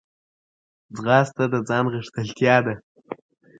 ځغاسته د ځان غښتلتیا ده